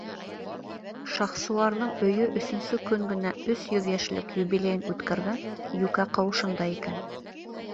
Шахсуарҙың өйө өсөнсө көн генә өс йөҙ йәшлек юбилейын үткәргән йүкә ҡыуышында икән.